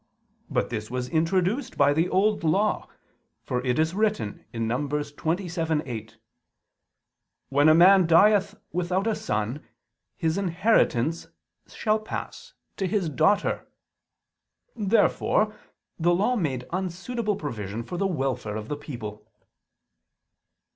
But this was introduced by the Old Law; for it is written (Num. 27:8): "When a man dieth without a son, his inheritance shall pass to his daughter." Therefore the Law made unsuitable provision for the welfare of the people.